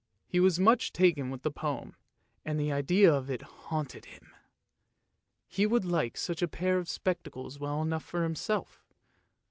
He was much taken with the poem, and the idea of it haunted him. He would like such a pair of spectacles well enough himself.